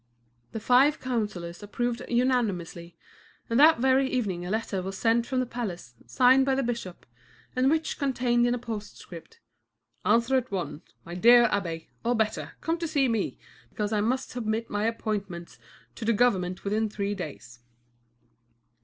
The five councilors approved unanimously, and that very evening a letter was sent from the palace, signed by the bishop, and which contained in a postscript: "Answer at once, my dear abbé; or, better, come to see me, because I must submit my appointments to the government within three days."